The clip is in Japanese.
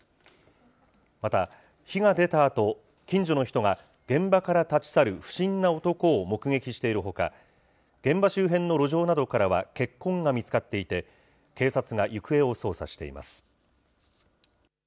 また火が出たあと、近所の人が現場から立ち去る不審な男を目撃しているほか、現場周辺の路上などからは血痕が見つかっていて、警察が行方を捜査しています。